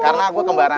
karena gue kembaran